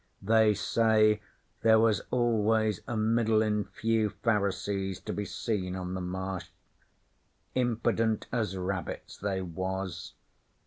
They say there was always a middlin' few Pharisees to be seen on the Marsh. Impident as rabbits, they was.